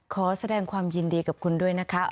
ขอแสดงความยินดีกับคุณด้วยนะคะ